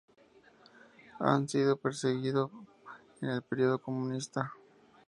Han sido perseguido en el periodo comunista.